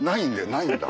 ないんだ。